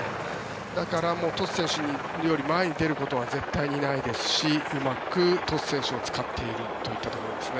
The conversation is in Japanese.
だから、トス選手より前に出ることは絶対にないですしうまくトス選手を使っているというところですね。